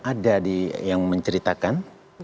ada yang menceritakan